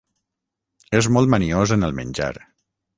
És molt maniós en el menjar.